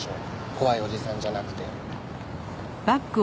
怖いおじさんじゃなくて。